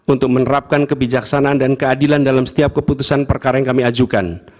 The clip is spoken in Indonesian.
untuk menerapkan kebijaksanaan dan keadilan dalam setiap keputusan perkara yang kami ajukan